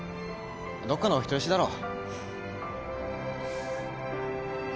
どっかのお人よしだろ。